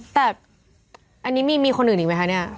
แต่อันนี้มีคนอื่นอีกไหมคะเนี่ย